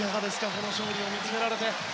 この勝利を見つめられて。